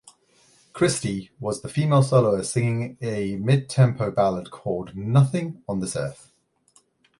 Christie was the female soloist singing a mid-tempo ballad called "Nothing on This Earth".